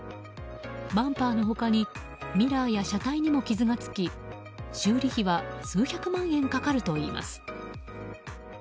バンパーの他にミラーや車体にも傷がつき修理費は数百万円かかるといいます。